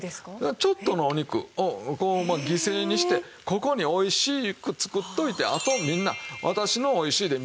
ちょっとのお肉を犠牲にしてここにおいしく作っておいてあとみんな私のおいしいでみんな救ってあげるって。